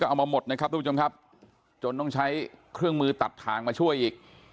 เอามาหมดนะครับทุกผู้ชมครับจนต้องใช้เครื่องมือตัดทางมาช่วยอีก